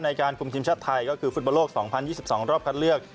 ในการคุมทีมชาติไทยก็คือฟุตบอลโลก๒๐๒๒รอบคัดเลือก